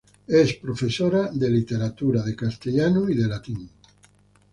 Es Profesora de Literatura, Castellano y Latín.